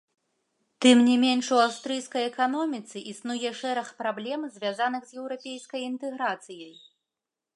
Тым не менш, у аўстрыйскай эканоміцы існуе шэраг праблем, звязаных з еўрапейскай інтэграцыяй.